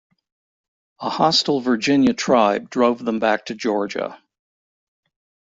A hostile Virginia tribe drove them back to Georgia.